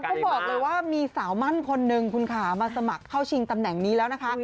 เขาบอกเลยว่ามีสาวมั่นคนนึงคุณขามาสมัครเข้าชิงตำแหน่งนี้แล้วนะคะ